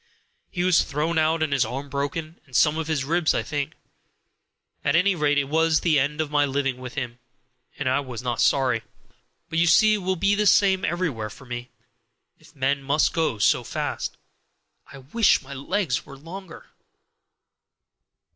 He was thrown out and his arm broken, and some of his ribs, I think. At any rate, it was the end of my living with him, and I was not sorry. But you see it will be the same everywhere for me, if men must go so fast. I wish my legs were longer!"